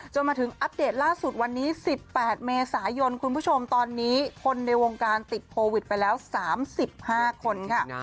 มาถึงอัปเดตล่าสุดวันนี้๑๘เมษายนคุณผู้ชมตอนนี้คนในวงการติดโควิดไปแล้ว๓๕คนค่ะ